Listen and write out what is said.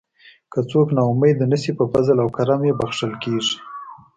که څوک نا امید نشي په فضل او کرم یې بښل کیږي.